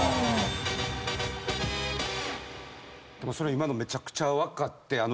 でもそれ今のめちゃくちゃ分かって。